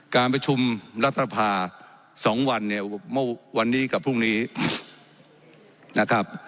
การประชุมรัฐสภา๒วันเนี่ยเมื่อวันนี้กับพรุ่งนี้นะครับ